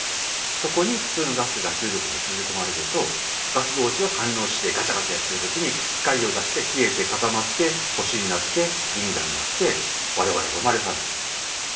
そこに普通のガスが重力で引きずり込まれるとガス同士は反応してガチャガチャやってる時に光を出して冷えて固まって星になって銀河になって我々が生まれたんです。